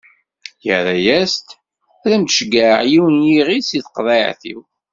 Irra-as: Ad m-d-ceggɛeɣ yiwen n yiɣid si tqeḍɛit-iw.